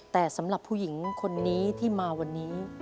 แต่สำหรับผู้หญิงคนนี้ที่มาวันนี้